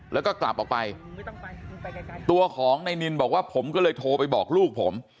แล้วก็กลับออกไปตัวของนายนินบอกว่าผมก็เลยโทรไปบอกลูกผม